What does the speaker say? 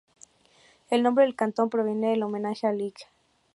El nombre del cantón proviene en homenaje al Lic.